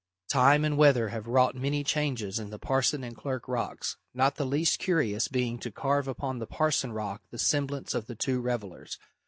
Time and weather have wrought many changes in the Parson and Clerk Rocks, not the least curious being to carve upon the Parson Rock the semblance of the two revellers.